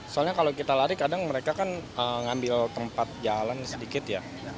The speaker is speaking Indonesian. soalnya kalau kita lari kadang mereka kan ngambil tempat jalan sedikit ya